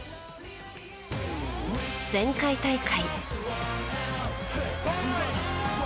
前回大会。